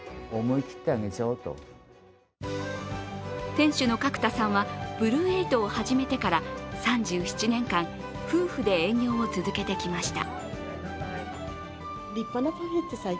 店主の角田さんはブルーエイトを始めてから３７年間夫婦で営業を続けてきました。